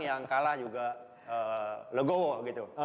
yang kalah juga legowo gitu